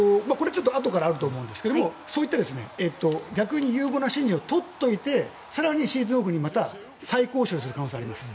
あとからあると思うんですが逆に有望な新人をとっておいて更にシーズンオフにまた再交渉する可能性はあります。